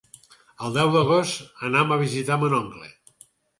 El deu d'agost anam a visitar mon oncle.